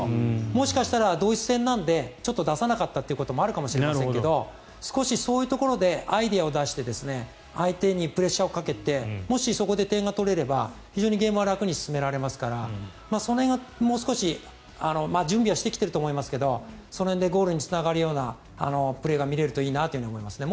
もしかしたら、ドイツ戦なので出さなかったということもあるかもしれませんが少し、そういうところでアイデアを出して相手にプレッシャーをかけてもし、そこで点が取れれば非常にゲームは楽に進められますからその辺がもう少し準備はしてきていると思いますがその辺でゴールにつながるようなプレーが見れるといいなと思いますね。